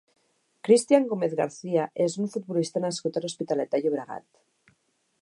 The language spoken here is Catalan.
Cristian Gómez García és un futbolista nascut a l'Hospitalet de Llobregat.